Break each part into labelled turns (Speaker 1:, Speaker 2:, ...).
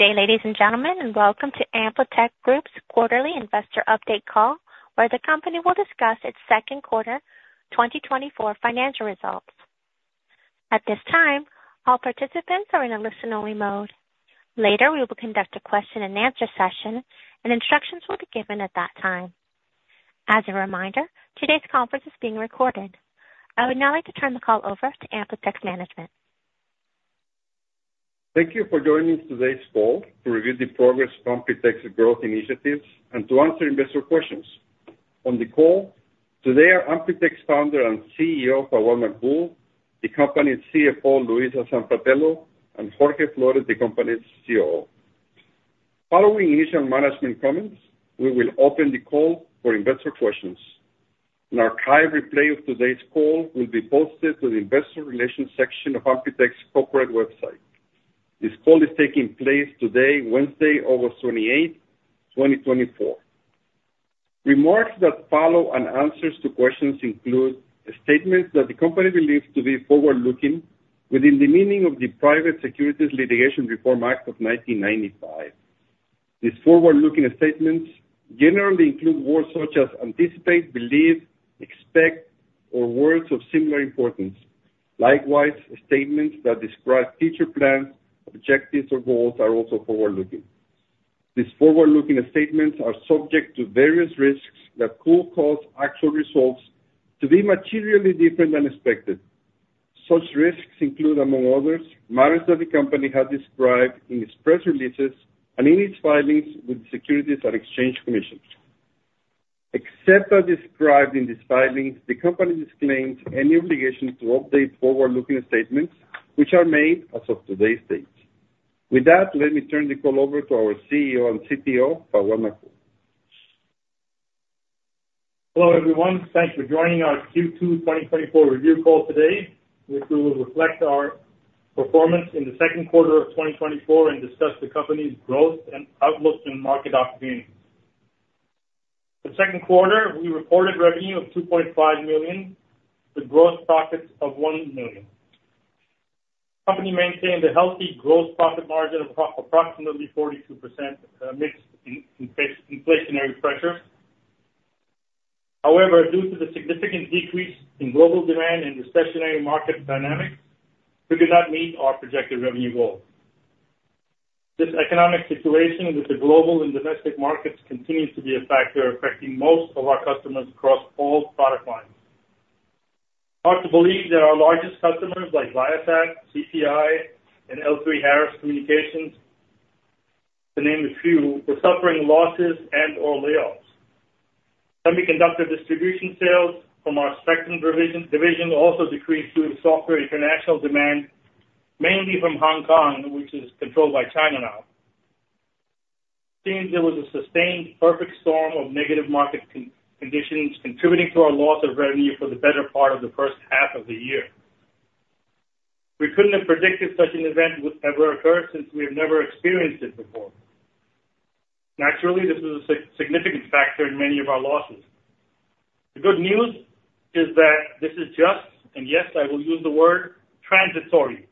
Speaker 1: Good day, ladies and gentlemen, and welcome to AmpliTech Group's quarterly investor update call, where the company will discuss its second quarter 2024 financial results. At this time, all participants are in a listen-only mode. Later, we will conduct a question and answer session, and instructions will be given at that time. As a reminder, today's conference is being recorded. I would now like to turn the call over to AmpliTech's management. Thank you for joining today's call to review the progress of AmpliTech's growth initiatives and to answer investor questions. On the call today are AmpliTech's Founder and CEO, Fawad Maqbool, the company's CFO, Louisa Sanfratello, and Jorge Flores, the company's COO. Following initial management comments, we will open the call for investor questions. An archive replay of today's call will be posted to the investor relations section of AmpliTech's corporate website. This call is taking place today, Wednesday, August 28, 2024. Remarks that follow and answers to questions include statements that the company believes to be forward-looking within the meaning of the Private Securities Litigation Reform Act of 1995. These forward-looking statements generally include words such as anticipate, believe, expect, or words of similar importance. Likewise, statements that describe future plans, objectives or goals are also forward-looking. These forward-looking statements are subject to various risks that could cause actual results to be materially different than expected. Such risks include, among others, matters that the company has described in its press releases and in its filings with the Securities and Exchange Commission. Except as described in these filings, the company disclaims any obligation to update forward-looking statements which are made as of today's date. With that, let me turn the call over to our CEO and CTO, Fawad Maqbool.
Speaker 2: Hello, everyone. Thanks for joining our Q2 2024 review call today, which we will reflect our performance in the second quarter of 2024 and discuss the company's growth and outlook and market opportunities. In the second quarter, we reported revenue of $2.5 million, with gross profits of $1 million. Company maintained a healthy gross profit margin of approximately 42% amidst inflationary pressures. However, due to the significant decrease in global demand and recessionary market dynamics, we did not meet our projected revenue goal. This economic situation with the global and domestic markets continues to be a factor affecting most of our customers across all product lines. Hard to believe that our largest customers, like Viasat, CPI, and L3Harris Communications, to name a few, were suffering losses and/or layoffs. Semiconductor distribution sales from our Spectrum division also decreased due to softer international demand, mainly from Hong Kong, which is controlled by China now. It seems there was a sustained perfect storm of negative market conditions contributing to our loss of revenue for the better part of the first half of the year. We couldn't have predicted such an event would ever occur since we have never experienced it before. Naturally, this is a significant factor in many of our losses. The good news is that this is just, and yes, I will use the word transitory.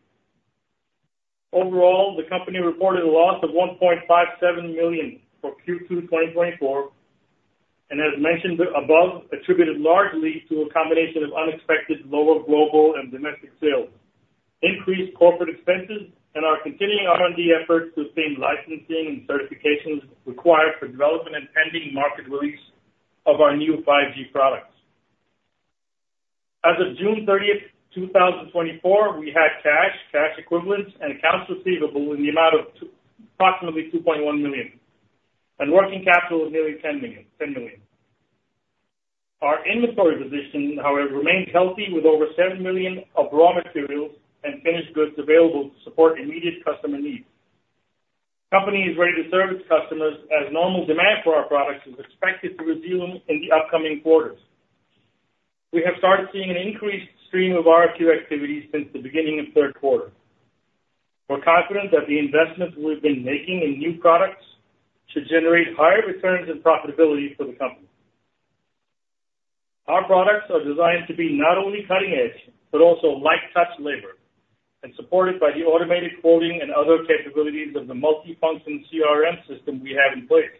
Speaker 2: Overall, the company reported a loss of $1.57 million for Q2 2024, and as mentioned above, attributed largely to a combination of unexpected lower global and domestic sales, increased corporate expenses, and our continuing R&D efforts to obtain licensing and certifications required for development and pending market release of our new 5G products. As of June 30th, 2024, we had cash, cash equivalents, and accounts receivable in the amount of approximately $2.1 million, and working capital of nearly $10 million. Our inventory position, however, remains healthy, with over $7 million of raw materials and finished goods available to support immediate customer needs. The company is ready to serve its customers as normal demand for our products is expected to resume in the upcoming quarters. We have started seeing an increased stream of RFQ activities since the beginning of third quarter. We're confident that the investments we've been making in new products should generate higher returns and profitability for the company. Our products are designed to be not only cutting-edge, but also light-touch labor and supported by the automated quoting and other capabilities of the multifunction CRM system we have in place.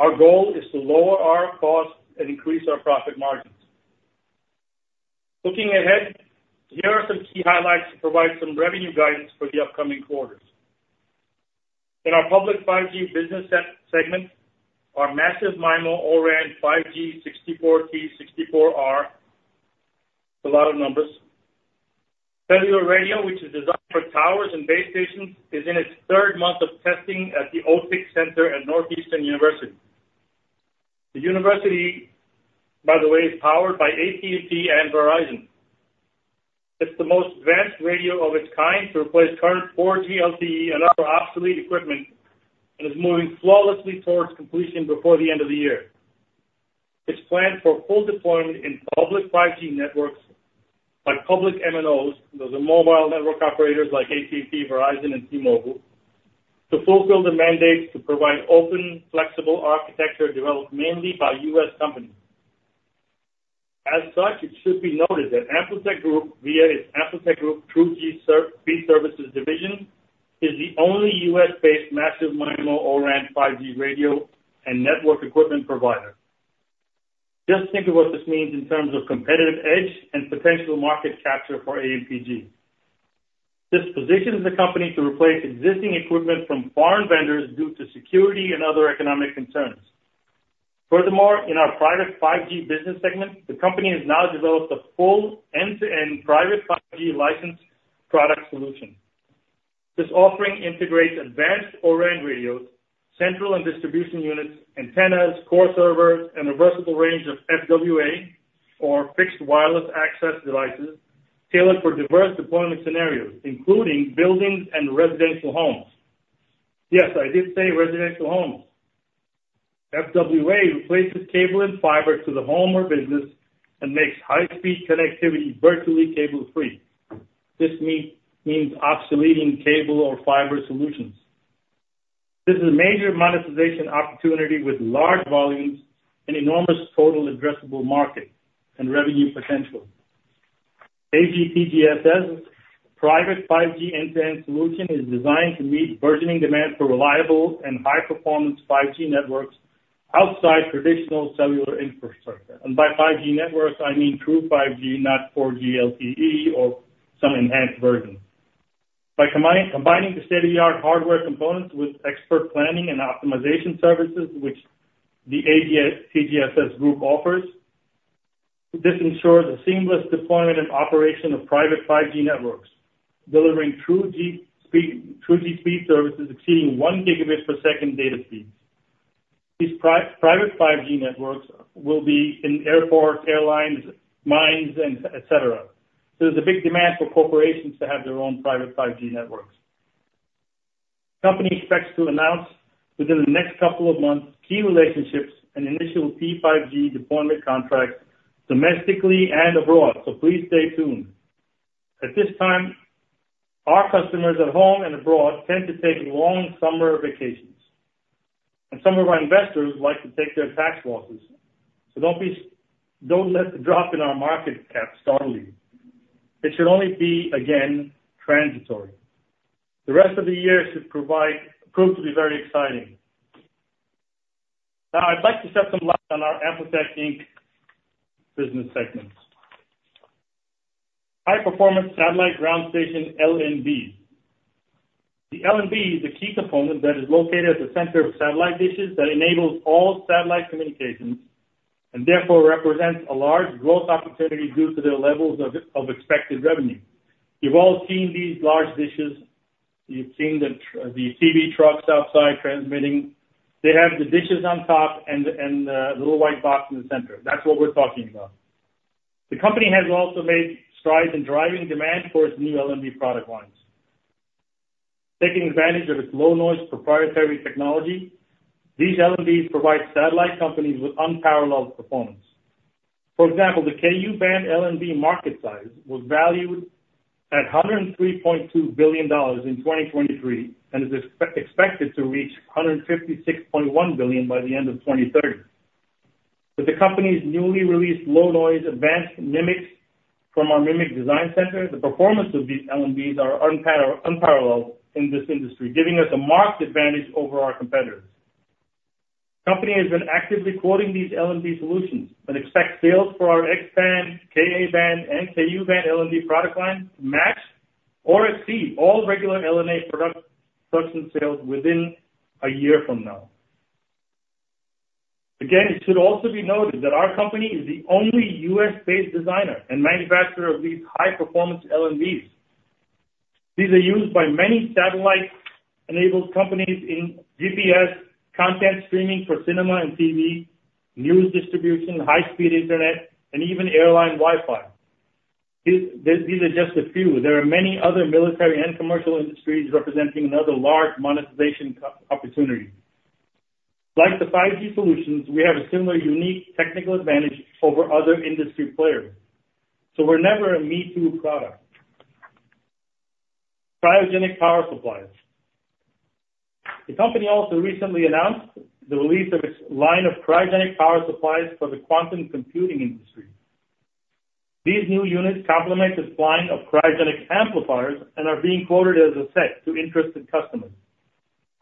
Speaker 2: Our goal is to lower our costs and increase our profit margins. Looking ahead, here are some key highlights to provide some revenue guidance for the upcoming quarters. In our public 5G business segment, our Massive MIMO O-RAN 5G 64T/64R, it's a lot of numbers. Cellular radio, which is designed for towers and base stations, is in its third month of testing at the OTIC Center at Northeastern University. The university, by the way, is powered by AT&T and Verizon. It's the most advanced radio of its kind to replace current 4G LTE and other obsolete equipment, and is moving flawlessly towards completion before the end of the year. It's planned for full deployment in public 5G networks by public MNOs, those are mobile network operators like AT&T, Verizon, and T-Mobile, to fulfill the mandate to provide open, flexible architecture developed mainly by U.S. companies. As such, it should be noted that AmpliTech Group, via its AmpliTech Group True G Speed Services division, is the only U.S.-based massive MIMO O-RAN 5G radio and network equipment provider. Just think of what this means in terms of competitive edge and potential market capture for AMPG. This positions the company to replace existing equipment from foreign vendors due to security and other economic concerns. Furthermore, in our private 5G business segment, the company has now developed a full end-to-end private 5G license product solution. This offering integrates advanced O-RAN radios, central and distribution units, antennas, core servers, and a versatile range of FWA or fixed wireless access devices tailored for diverse deployment scenarios, including buildings and residential homes. Yes, I did say residential homes. FWA replaces cable and fiber to the home or business and makes high-speed connectivity virtually cable-free. This means obsoleting cable or fiber solutions. This is a major monetization opportunity with large volumes and enormous total addressable market and revenue potential. AGTGSS private 5G end-to-end solution is designed to meet burgeoning demand for reliable and high-performance 5G networks outside traditional cellular infrastructure. And by 5G networks, I mean, true 5G, not 4G LTE or some enhanced version. By combining the state-of-the-art hardware components with expert planning and optimization services, which the AGTGSS group offers, this ensures a seamless deployment and operation of private 5G networks, delivering true 5G speed services exceeding one gigabit per second data speeds. These private 5G networks will be in airports, airlines, mines, and et cetera. So there's a big demand for corporations to have their own private 5G networks. Company expects to announce within the next couple of months, key relationships and initial private 5G deployment contracts domestically and abroad. So please stay tuned. At this time, our customers at home and abroad tend to take long summer vacations, and some of our investors like to take their tax losses. So don't let the drop in our market cap startle you. It should only be, again, transitory. The rest of the year should prove to be very exciting. Now, I'd like to shed some light on our AmpliTech, Inc. business segments. High-performance satellite ground station LNB. The LNB is a key component that is located at the center of satellite dishes that enables all satellite communications, and therefore represents a large growth opportunity due to their levels of expected revenue. You've all seen these large dishes. You've seen the TV trucks outside transmitting. They have the dishes on top and the little white box in the center. That's what we're talking about. The company has also made strides in driving demand for its new LNB product lines. Taking advantage of its low-noise proprietary technology, these LNBs provide satellite companies with unparalleled performance. For example, the Ku-band LNB market size was valued at $103.2 billion in 2023, and is expected to reach $156.1 billion by the end of 2030. With the company's newly released low-noise advanced MMICs from our MMIC Design Center, the performance of these LNBs are unparalleled in this industry, giving us a marked advantage over our competitors. Company has been actively quoting these LNB solutions and expects sales for our X-band, Ka-band, and Ku-band LNB product line to match or exceed all regular LNA product, production sales within a year from now. Again, it should also be noted that our company is the only U.S.-based designer and manufacturer of these high-performance LNBs. These are used by many satellite-enabled companies in GPS, content streaming for cinema and TV, news distribution, high-speed internet, and even airline Wi-Fi. These are just a few. There are many other military and commercial industries representing another large monetization opportunity. Like the 5G solutions, we have a similar unique technical advantage over other industry players, so we're never a me-too product. Cryogenic power supplies. The company also recently announced the release of its line of cryogenic power supplies for the quantum computing industry. These new units complement the line of cryogenic amplifiers and are being quoted as a set to interested customers.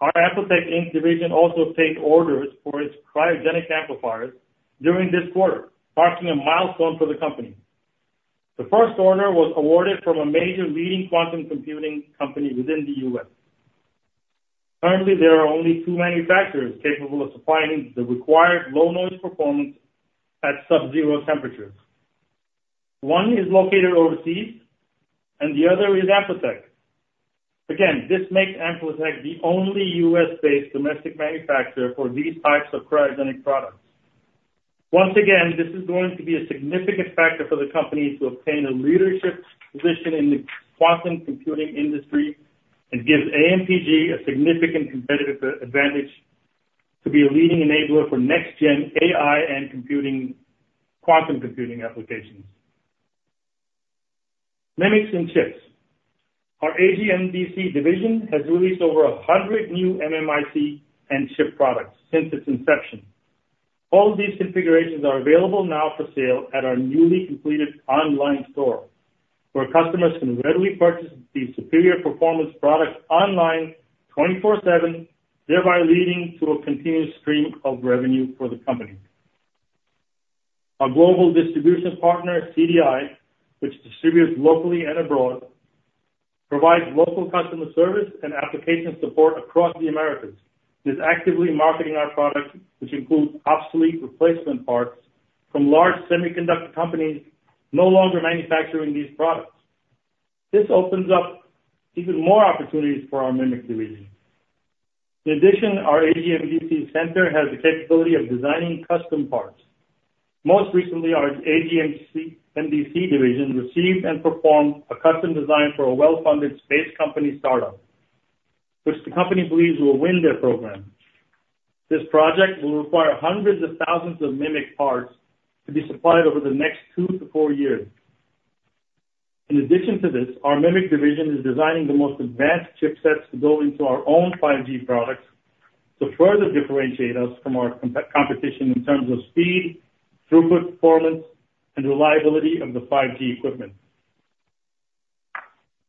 Speaker 2: Our AmpliTech, Inc. division also takes orders for its cryogenic amplifiers during this quarter, marking a milestone for the company. The first order was awarded from a major leading quantum computing company within the U.S. Currently, there are only two manufacturers capable of supplying the required low-noise performance at subzero temperatures. One is located overseas and the other is AmpliTech. Again, this makes AmpliTech the only U.S.-based domestic manufacturer for these types of cryogenic products. Once again, this is going to be a significant factor for the company to obtain a leadership position in the quantum computing industry and gives AMPG a significant competitive advantage to be a leading enabler for next-gen AI and computing, quantum computing applications. MMICs and chips. Our AGMDC division has released over 100 new MMIC and chip products since its inception. All these configurations are available now for sale at our newly completed online store, where customers can readily purchase these superior performance products online, 24/7, thereby leading to a continuous stream of revenue for the company. Our global distribution partner, CDI, which distributes locally and abroad, provides local customer service and application support across the Americas, is actively marketing our products, which include obsolete replacement parts from large semiconductor companies no longer manufacturing these products. This opens up even more opportunities for our MMIC division. In addition, our AGMDC center has the capability of designing custom parts. Most recently, our AGMDC division received and performed a custom design for a well-funded space company startup, which the company believes will win their program. This project will require hundreds of thousands of MMIC parts to be supplied over the next two to four years. In addition to this, our MMIC division is designing the most advanced chipsets to go into our own 5G products to further differentiate us from our competition in terms of speed, throughput performance, and reliability of the 5G equipment.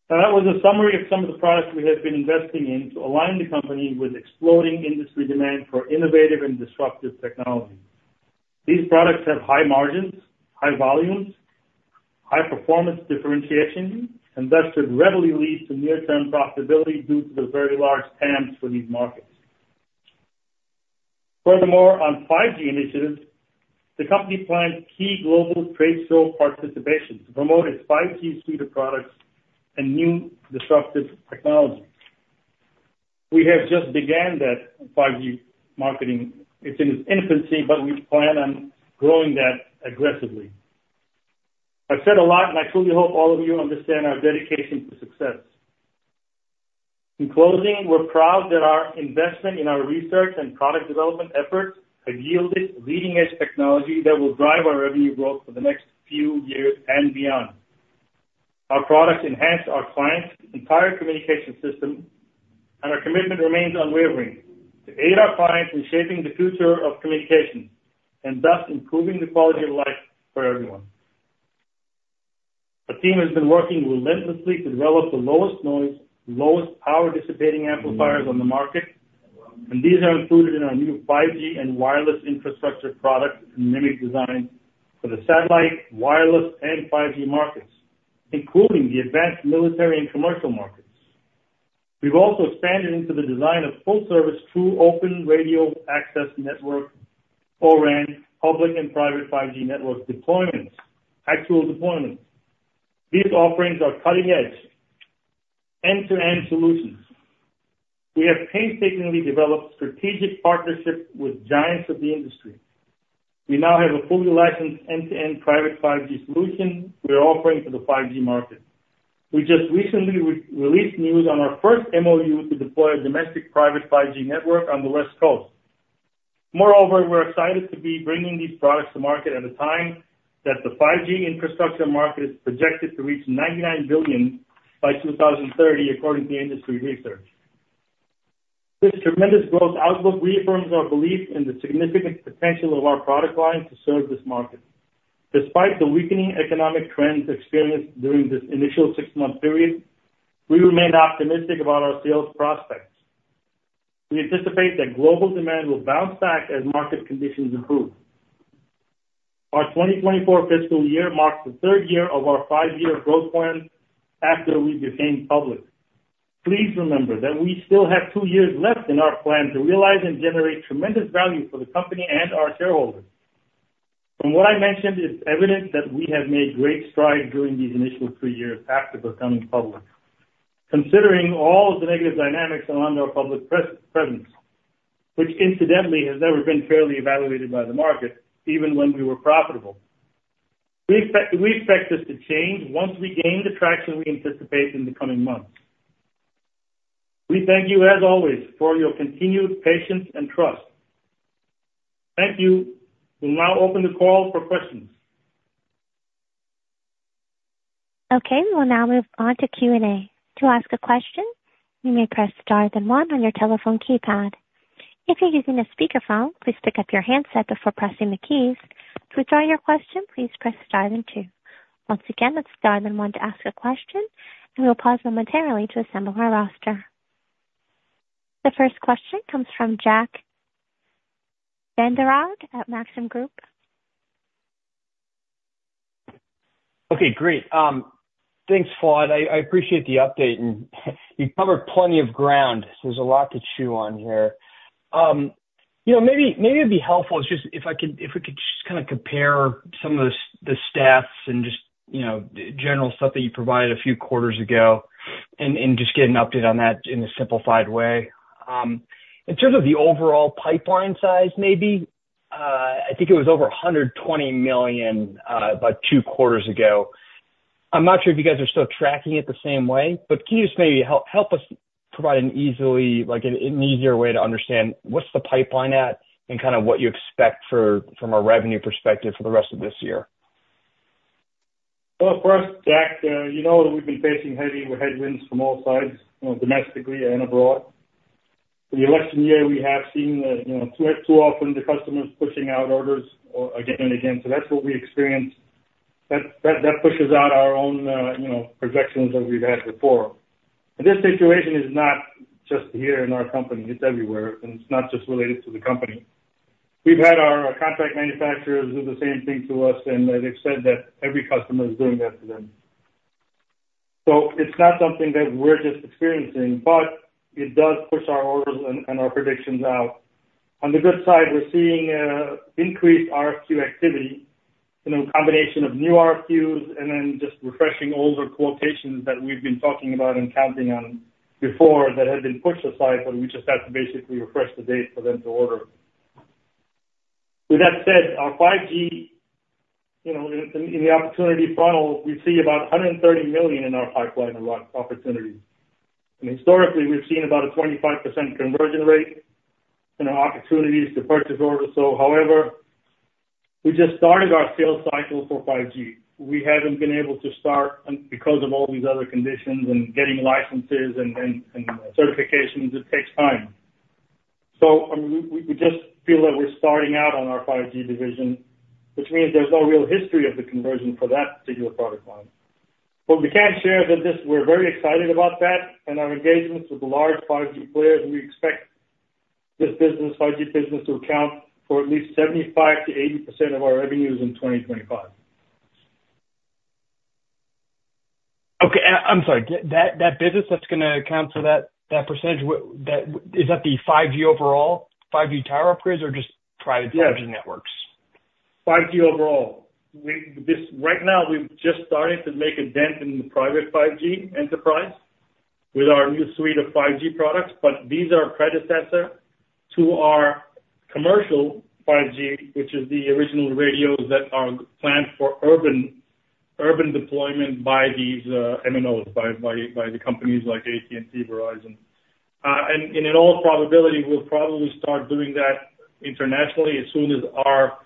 Speaker 2: Now, that was a summary of some of the products we have been investing in to align the company with exploding industry demand for innovative and disruptive technologies. These products have high margins, high volumes, high performance differentiation, and thus should readily lead to near-term profitability due to the very large TAMs for these markets. Furthermore, on 5G initiatives, the company plans key global trade show participation to promote its 5G suite of products and new disruptive technologies. We have just began that 5G marketing. It's in its infancy, but we plan on growing that aggressively. I've said a lot, and I truly hope all of you understand our dedication to success. In closing, we're proud that our investment in our research and product development efforts have yielded leading-edge technology that will drive our revenue growth for the next few years and beyond. Our products enhance our clients' entire communication system, and our commitment remains unwavering to aid our clients in shaping the future of communication and thus improving the quality of life for everyone. Our team has been working relentlessly to develop the lowest noise, lowest power dissipating amplifiers on the market, and these are included in our new 5G and wireless infrastructure products and MMIC design for the satellite, wireless, and 5G markets, including the advanced military and commercial markets. We've also expanded into the design of full service, true open radio access network, O-RAN, public and private 5G network deployments, actual deployments. These offerings are cutting edge, end-to-end solutions. We have painstakingly developed strategic partnerships with giants of the industry. We now have a fully licensed end-to-end private 5G solution we are offering to the 5G market. We just recently re-released news on our first MOU to deploy a domestic private 5G network on the West Coast. Moreover, we're excited to be bringing these products to market at a time that the 5G infrastructure market is projected to reach $99 billion by 2030, according to industry research. This tremendous growth outlook reaffirms our belief in the significant potential of our product line to serve this market. Despite the weakening economic trends experienced during this initial six-month period, we remain optimistic about our sales prospects. We anticipate that global demand will bounce back as market conditions improve. Our 2024 fiscal year marks the third year of our 5-year growth plan after we became public. Please remember that we still have two years left in our plan to realize and generate tremendous value for the company and our shareholders. From what I mentioned, it's evident that we have made great strides during these initial three years after becoming public, considering all of the negative dynamics around our public presence, which incidentally, has never been fairly evaluated by the market, even when we were profitable. We expect this to change once we gain the traction we anticipate in the coming months. We thank you as always, for your continued patience and trust. Thank you. We'll now open the call for questions.
Speaker 1: Okay, we'll now move on to Q&A. To ask a question, you may press star then one on your telephone keypad. If you're using a speakerphone, please pick up your handset before pressing the keys. To withdraw your question, please press star then two. Once again, that's star then one to ask a question, and we'll pause momentarily to assemble our roster. The first question comes from Jack Vander Aarde at Maxim Group.
Speaker 3: Okay, great. Thanks, Fawad. I appreciate the update, and you've covered plenty of ground, so there's a lot to chew on here. You know, maybe it'd be helpful just if we could kinda compare some of the stats and just, you know, general stuff that you provided a few quarters ago and just get an update on that in a simplified way. In terms of the overall pipeline size, maybe I think it was over $120 million about two quarters ago. I'm not sure if you guys are still tracking it the same way, but can you just maybe help us provide an easier way to understand what's the pipeline at, and kind of what you expect from a revenue perspective for the rest of this year?
Speaker 2: First, Jack, you know, that we've been facing heavy headwinds from all sides, you know, domestically and abroad. For the election year, we have seen that, you know, too, too often the customers pushing out orders, again and again. That's what we experienced. That pushes out our own, you know, projections that we've had before. This situation is not just here in our company, it's everywhere, and it's not just related to the company. We've had our contract manufacturers do the same thing to us, and they've said that every customer is doing that to them. It's not something that we're just experiencing, but it does push our orders and our predictions out. On the good side, we're seeing increased RFQ activity, you know, a combination of new RFQs and then just refreshing older quotations that we've been talking about and counting on before that had been pushed aside, but we just had to basically refresh the date for them to order. With that said, our 5G, you know, in the opportunity funnel, we see about $130 million in our pipeline in opportunities, and historically, we've seen about a 25% conversion rate in our opportunities to purchase orders, so however, we just started our sales cycle for 5G. We haven't been able to start because of all these other conditions and getting licenses and certifications, it takes time. I mean, we just feel that we're starting out on our 5G division, which means there's no real history of the conversion for that particular product line. What we can share is that we're very excited about that and our engagements with large 5G players, and we expect this business, 5G business, to account for at least 75%-80% of our revenues in 2025.
Speaker 3: Okay, I'm sorry. That business that's gonna account for that percentage, is that the 5G overall, 5G tower upgrades or just private 5G networks?
Speaker 2: 5G overall. Right now, we've just started to make a dent in the private 5G enterprise with our new suite of 5G products, but these are predecessor to our commercial 5G, which is the original radios that are planned for urban deployment by these MNOs, by the companies like AT&T, Verizon. And in all probability, we'll probably start doing that internationally as soon as our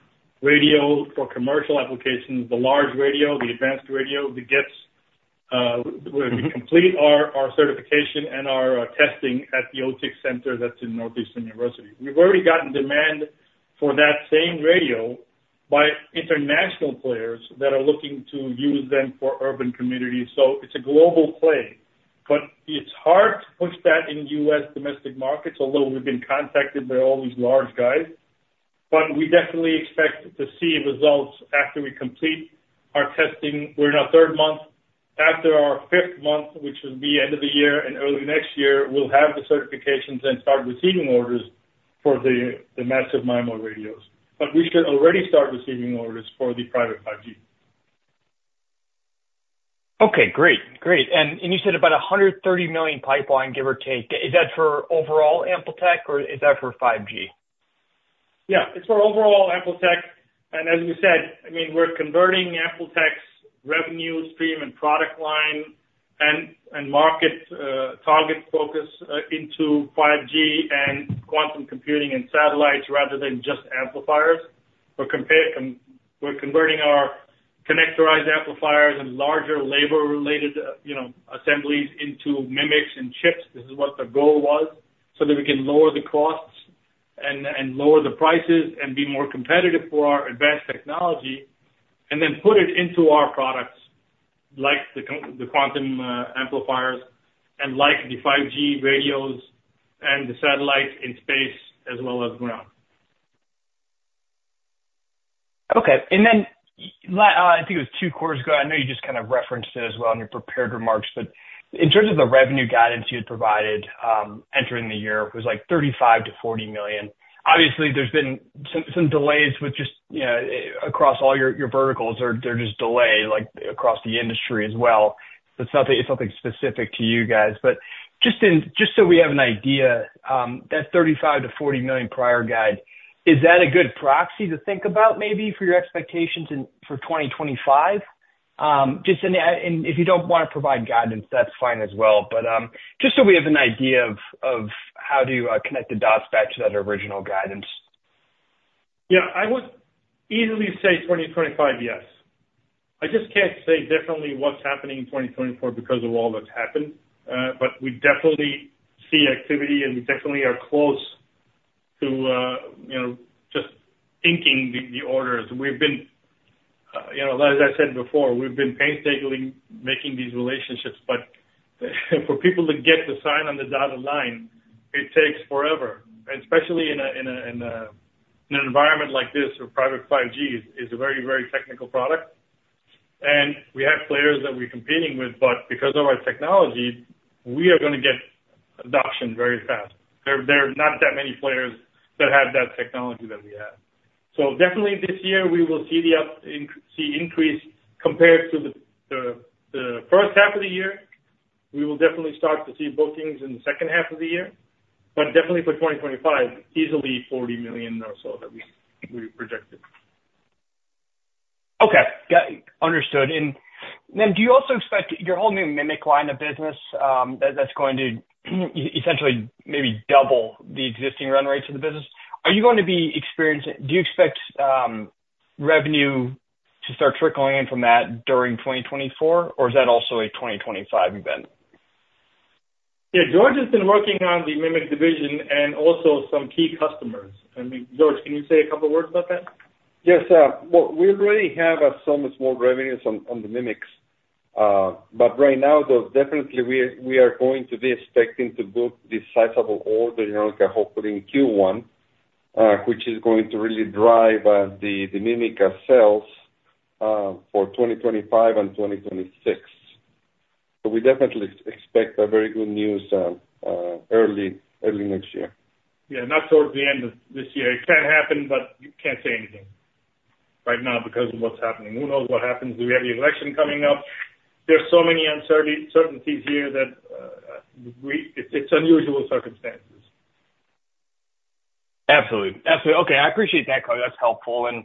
Speaker 2: radio for commercial applications, the large radio, the advanced radio, gets
Speaker 3: Mm-hmm.
Speaker 2: When we complete our certification and our testing at the OTIC Center that's in Northeastern University. We've already gotten demand for that same radio by international players that are looking to use them for urban communities, so it's a global play, but it's hard to push that in U.S. domestic markets, although we've been contacted by all these large guys, but we definitely expect to see results after we complete our testing. We're in our third month. After our fifth month, which would be end of the year and early next year, we'll have the certifications and start receiving orders for the massive MIMO radios. But we should already start receiving orders for the private 5G.
Speaker 3: Okay, great. Great. And you said about $130 million pipeline, give or take. Is that for overall AmpliTech, or is that for 5G?
Speaker 2: Yeah, it's for overall AmpliTech. And as we said, I mean, we're converting AmpliTech's revenue stream and product line and market target focus into 5G and quantum computing and satellites, rather than just amplifiers. We're converting our connectorized amplifiers and larger labor-related, you know, assemblies into MMICs and chips. This is what the goal was, so that we can lower the costs and lower the prices and be more competitive for our advanced technology, and then put it into our products, like the quantum amplifiers and like the 5G radios and the satellites in space as well as ground.
Speaker 3: Okay. And then, I think it was two quarters ago, I know you just kind of referenced it as well in your prepared remarks, but in terms of the revenue guidance you had provided, entering the year, it was like $35 million-$40 million. Obviously, there's been some delays with just, you know, across all your verticals or they're just delay, like, across the industry as well. It's nothing, it's something specific to you guys. But just so we have an idea, that $35 million-$40 million prior guide, is that a good proxy to think about maybe for your expectations in 2025? And if you don't wanna provide guidance, that's fine as well. But just so we have an idea of how do you connect the dots back to that original guidance.
Speaker 2: Yeah, I would easily say 2025, yes. I just can't say definitely what's happening in 2024 because of all that's happened. But we definitely see activity, and we definitely are close to, you know, just inking the orders. We've been, you know, as I said before, we've been painstakingly making these relationships, but for people to get to sign on the dotted line, it takes forever, and especially in an environment like this, where private 5G is a very, very technical product, and we have players that we're competing with, but because of our technology, we are gonna get adoption very fast. There are not that many players that have that technology that we have. So definitely this year, we will see the increase compared to the first half of the year. We will definitely start to see bookings in the second half of the year, but definitely for 2025, easily $40 million or so that we projected.
Speaker 3: Okay. Got it, understood. And then do you also expect your whole new MMIC line of business, that, that's going to essentially maybe double the existing run rates of the business? Are you going to be experiencing? Do you expect revenue to start trickling in from that during twenty twenty-four, or is that also a 2025 event?
Speaker 2: Yeah, Jorge has been working on the MMIC division and also some key customers. I mean, Jorge, can you say a couple of words about that?
Speaker 4: Yes, well, we already have some small revenues on the MMICs, but right now, though, definitely we are going to be expecting to book this sizable order, you know, hopefully in Q1, which is going to really drive the MMIC sales for 2025 and 2026. So we definitely expect a very good news early next year.
Speaker 2: Yeah, not towards the end of this year. It can happen, but you can't say anything right now because of what's happening. Who knows what happens? We have the election coming up. There are so many uncertainties here that it's, it's unusual circumstances.
Speaker 3: Absolutely. Absolutely. Okay, I appreciate that color. That's helpful. And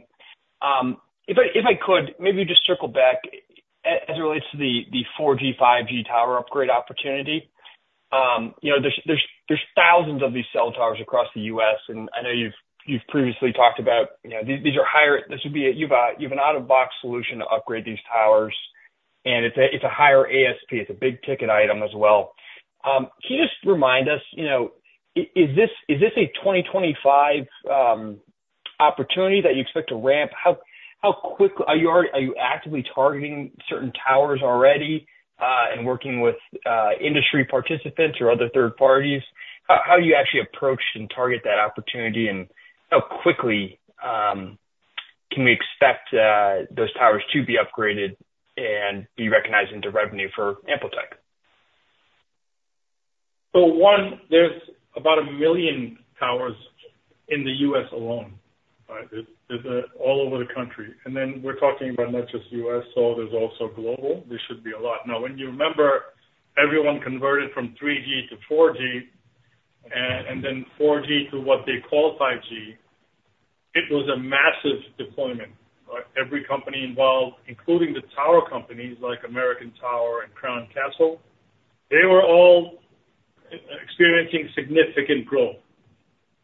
Speaker 3: if I could, maybe just circle back as it relates to the 4G, 5G tower upgrade opportunity. You know, there's thousands of these cell towers across the U.S., and I know you've previously talked about, you know, these are higher. This would be you've an out-of-box solution to upgrade these towers, and it's a higher ASP. It's a big ticket item as well. Can you just remind us, you know, is this a twenty twenty-five opportunity that you expect to ramp? How quick are you already actively targeting certain towers already, and working with industry participants or other third parties? How do you actually approach and target that opportunity, and how quickly can we expect those towers to be upgraded and be recognized into revenue for AmpliTech?
Speaker 2: So one, there's about a million towers in the U.S. alone, right? There's all over the country, and then we're talking about not just U.S., so there's also global. There should be a lot. Now, when you remember, everyone converted from 3G to 4G, and then 4G to what they call 5G, it was a massive deployment, right? Every company involved, including the tower companies like American Tower and Crown Castle, they were all experiencing significant growth.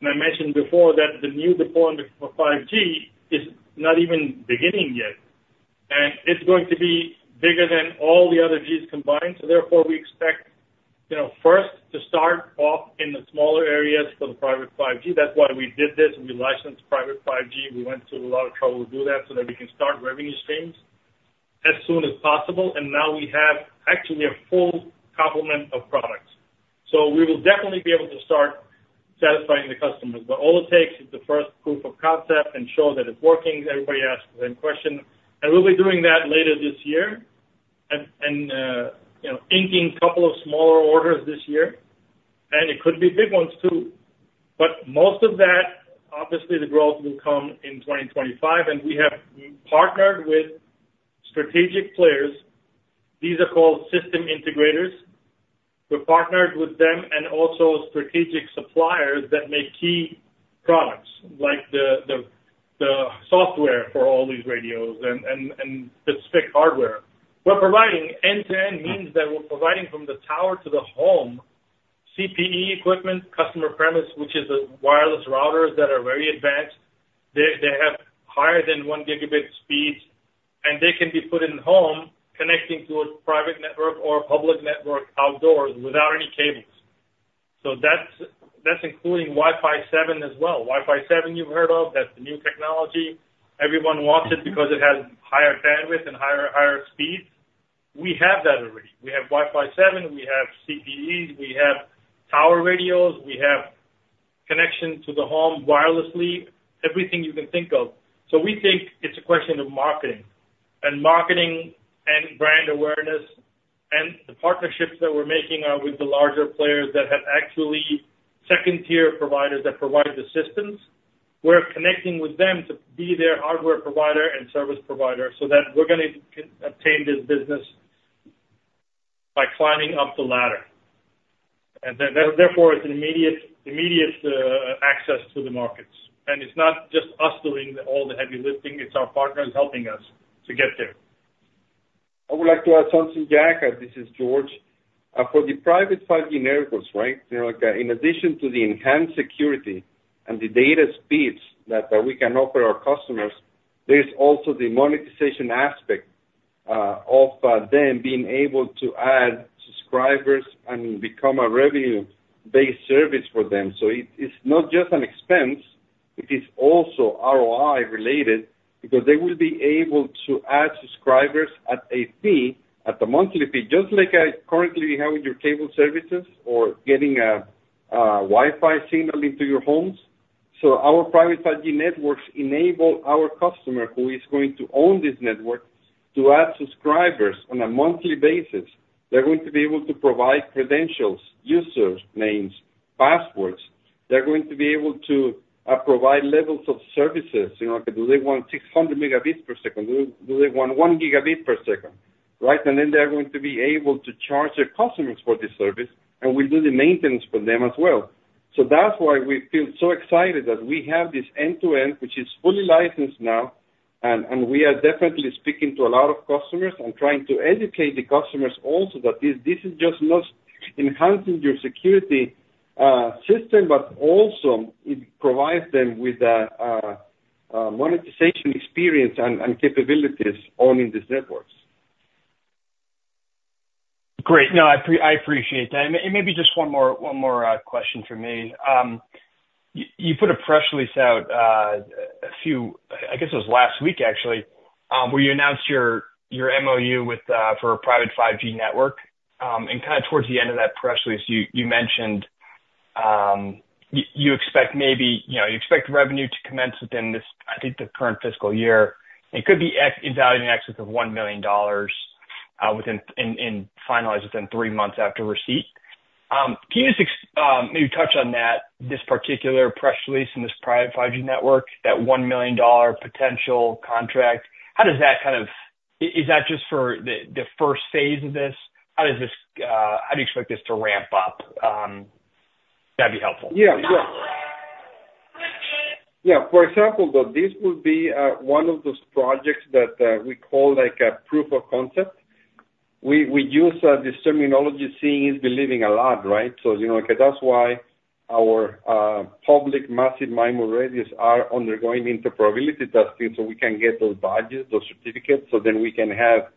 Speaker 2: And I mentioned before that the new deployment for 5G is not even beginning yet, and it's going to be bigger than all the other Gs combined. So therefore, we expect, you know, first to start off in the smaller areas for the private 5G. That's why we did this. We licensed private 5G. We went through a lot of trouble to do that, so that we can start revenue streams as soon as possible, and now we have actually a full complement of products, so we will definitely be able to start satisfying the customers, but all it takes is the first proof of concept and show that it's working. Everybody asks the same question, and we'll be doing that later this year, and you know, inking couple of smaller orders this year, and it could be big ones, too, but most of that, obviously, the growth will come in 2025, and we have partnered with strategic players. These are called system integrators. We're partnered with them and also strategic suppliers that make key products like the software for all these radios and the specific hardware. We're providing end-to-end means that we're providing from the tower to the home, CPE equipment, customer premises, which is the wireless routers that are very advanced. They, they have higher than one gigabit speeds, and they can be put in home, connecting to a private network or public network outdoors without any cables. So that's, that's including Wi-Fi 7 as well. Wi-Fi 7, you've heard of, that's the new technology. Everyone wants it because it has higher bandwidth and higher, higher speeds. We have that already. We have Wi-Fi 7, we have CPEs, we have tower radios, we have connection to the home wirelessly, everything you can think of. So we think it's a question of marketing, and marketing and brand awareness, and the partnerships that we're making are with the larger players that have actually second-tier providers that provide the systems. We're connecting with them to be their hardware provider and service provider so that we're gonna obtain this business by climbing up the ladder. And therefore, it's an immediate access to the markets. And it's not just us doing all the heavy lifting. It's our partners helping us to get there.
Speaker 4: I would like to add something, Jack. This is Jorge. For the private 5G networks, right? You know, in addition to the enhanced security and the data speeds that we can offer our customers, there's also the monetization aspect of them being able to add subscribers and become a revenue-based service for them. So it's not just an expense, it is also ROI related, because they will be able to add subscribers at a fee, at a monthly fee, just like currently you have with your cable services or getting a Wi-Fi signal into your homes. So our private 5G networks enable our customer, who is going to own this network, to add subscribers on a monthly basis. They're going to be able to provide credentials, usernames, passwords. They're going to be able to provide levels of services. You know, do they want six hundred megabits per second? Do they want 1 Gbps?... right? And then they're going to be able to charge their customers for this service, and we do the maintenance for them as well. So that's why we feel so excited that we have this end-to-end, which is fully licensed now, and we are definitely speaking to a lot of customers and trying to educate the customers also that this is just not enhancing your security system, but also it provides them with a monetization experience and capabilities owning these networks.
Speaker 3: Great. No, I appreciate that, and maybe just one more question from me. You put a press release out a few, I guess it was last week actually, where you announced your MOU for a private 5G network. And kind of towards the end of that press release, you mentioned you expect maybe, you know, you expect revenue to commence within this, I think, the current fiscal year, and could be expected in value in excess of $1 million finalized within three months after receipt. Can you just maybe touch on that, this particular press release and this private 5G network, that $1 million potential contract? How does that kind of... is that just for the first phase of this? How does this, how do you expect this to ramp up? That'd be helpful.
Speaker 4: Yeah. Yeah. Yeah, for example, though, this would be one of those projects that we call, like, a proof of concept. We use this terminology, seeing is believing a lot, right? So, you know, that's why our public massive MIMO radios are undergoing interoperability testing so we can get those badges, those certificates, so then we can have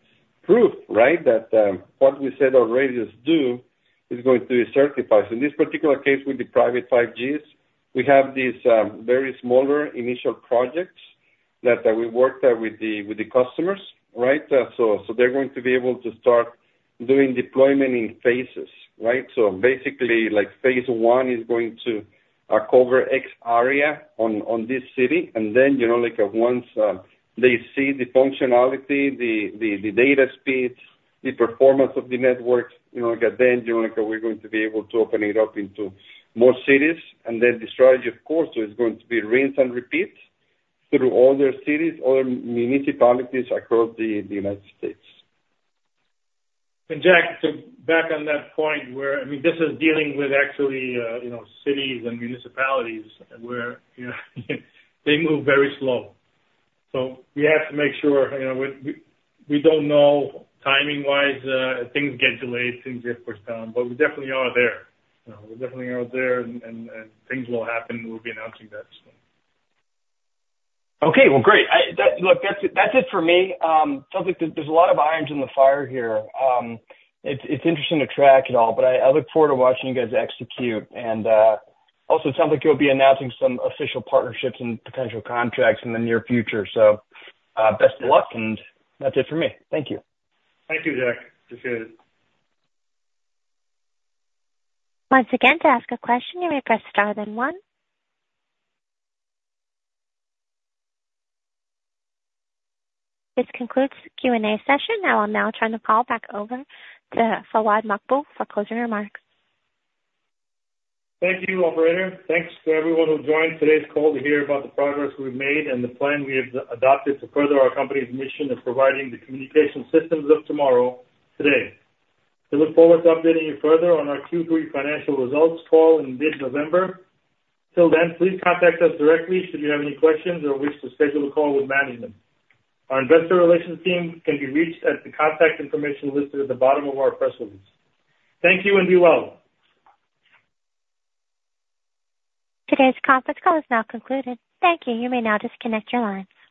Speaker 4: proof, right? That what we said our radios do is going to be certified. So in this particular case, with the private 5Gs, we have these very smaller initial projects that we worked at with the customers, right? So they're going to be able to start doing deployment in phases, right? So basically, like phase one is going to cover X area on this city. Then, you know, like, once they see the functionality, the data speeds, the performance of the networks, you know, like, then, you know, we're going to be able to open it up into more cities. Then the strategy, of course, is going to be rinse and repeat through all their cities, all municipalities across the United States.
Speaker 2: Jack, so back on that point where, I mean, this is dealing with actually, you know, cities and municipalities where, you know, they move very slow. We have to make sure, you know, we don't know timing-wise, things get delayed, things get pushed down, but we definitely are there. You know, we're definitely out there, and things will happen. We'll be announcing that soon.
Speaker 3: Okay, well, great. That, look, that's it for me. Sounds like there's a lot of irons in the fire here. It's interesting to track it all, but I look forward to watching you guys execute. It sounds like you'll be announcing some official partnerships and potential contracts in the near future. Best of luck, and that's it for me. Thank you.
Speaker 2: Thank you, Jack. Appreciate it.
Speaker 1: Once again, to ask a question, you may press star then one. This concludes the Q&A session. I will now turn the call back over to Fawad Maqbool for closing remarks.
Speaker 2: Thank you, operator. Thanks to everyone who joined today's call to hear about the progress we've made and the plan we have adopted to further our company's mission of providing the communication systems of tomorrow, today. We look forward to updating you further on our Q3 financial results call in mid-November. Till then, please contact us directly should you have any questions or wish to schedule a call with management. Our investor relations team can be reached at the contact information listed at the bottom of our press release. Thank you, and be well.
Speaker 1: Today's conference call is now concluded. Thank you. You may now disconnect your line.